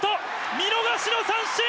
見逃しの三振！